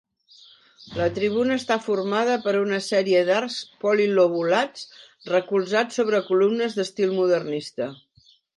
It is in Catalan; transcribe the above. La tribuna està formada per una sèrie d'arcs polilobulats recolzats sobre columnes d'estil modernista.